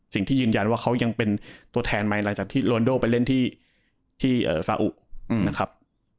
สิ่งที่ยืนยันว่าเขายังเป็นตัวแทนไม่อะไรจากที่ไปเล่นที่ที่เอ่ออืมนะครับ